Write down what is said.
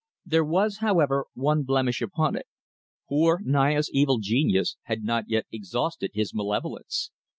There was, however, one blemish upon it. Poor Naya's evil genius had not yet exhausted his malevolence.